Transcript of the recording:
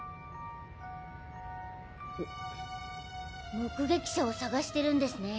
目撃者を探してるんですね。